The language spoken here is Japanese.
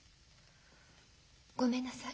ごめんなさい。